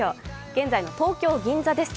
現在の東京・銀座です。